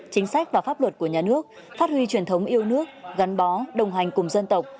chính sách và pháp luật của nhà nước phát huy truyền thống yêu nước gắn bó đồng hành cùng dân tộc